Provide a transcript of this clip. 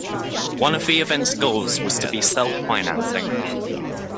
One of the events goals was to be self-financing.